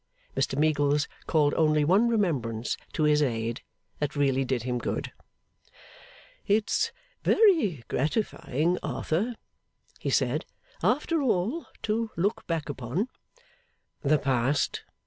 Mr Meagles called only one remembrance to his aid, that really did him good. 'It's very gratifying, Arthur,' he said, 'after all, to look back upon.' 'The past?